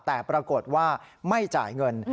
แต่ปรากฏว่าไม่จ่ายเงิน